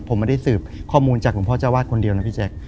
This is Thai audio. ผมไม่ได้สืบข้อมูลจากหลวงพ่อเจ้าวาดคนเดียวนะพี่แจ๊ค